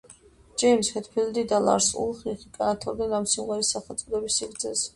ჯეიმზ ჰეტფილდი და ლარს ულრიხი კამათობდნენ ამ სიმღერის სახელწოდების სიგრძეზე.